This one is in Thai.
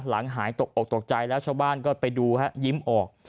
หายตกออกตกใจแล้วชาวบ้านก็ไปดูฮะยิ้มออก